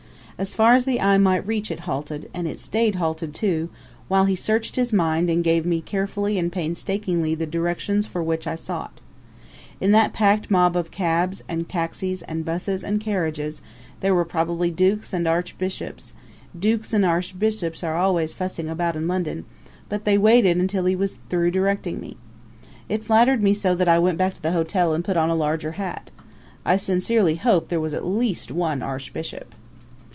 As far as the eye might reach it halted; and it stayed halted, too, while he searched his mind and gave me carefully and painstakingly the directions for which I sought. In that packed mass of cabs and taxis and buses and carriages there were probably dukes and archbishops dukes and archbishops are always fussing about in London but they waited until he was through directing me. It flattered me so that I went back to the hotel and put on a larger hat. I sincerely hope there was at least one archbishop.